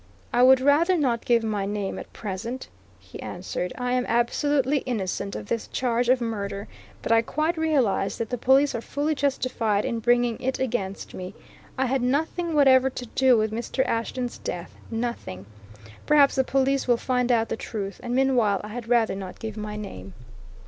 "I would rather not give my name at present," he answered. "I am absolutely innocent of this charge of murder, but I quite realize that the police are fully justified in bringing it against me. I had nothing whatever to do with Mr. Ashton's death nothing! Perhaps the police will find out the truth; and meanwhile I had rather not give my name."